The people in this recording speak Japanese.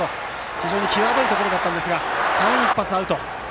非常に際どいところだったんですが間一髪アウト。